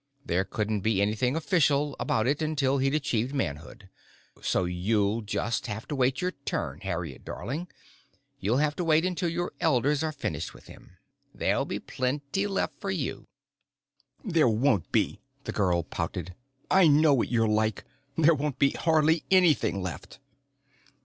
"There couldn't be anything official about it until he'd achieved manhood. So you'll just have to wait your turn, Harriet, darling. You'll have to wait until your elders are finished with him. There'll be plenty left for you." "There won't be," the girl pouted. "I know what you're like. There won't be hardly anything left."